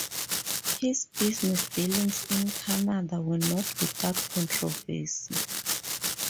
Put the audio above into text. His business dealings in Canada were not without controversy.